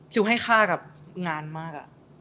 ให้ค่ากับงานมาก